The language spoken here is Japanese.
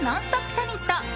サミット。